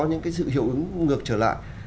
những sự hiệu ứng ngược trở lại